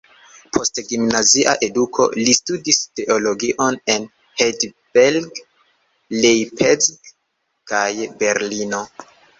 Post gimnazia eduko li studis teologion en Heidelberg, Leipzig kaj Berlino.